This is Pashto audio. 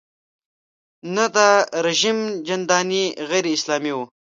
نه دا رژیم چندانې غیراسلامي و.